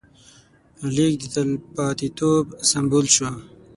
لیک د تلپاتېتوب سمبول شو.